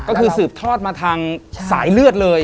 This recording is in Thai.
ก็คือสืบทอดมาทางสายเลือดเลย